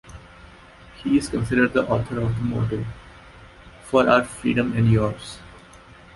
He is considered the author of the motto: "For our freedom and yours".